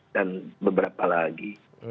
dan beberapa lagi